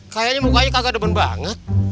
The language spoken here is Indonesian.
kayaknya mukanya kagak deban banget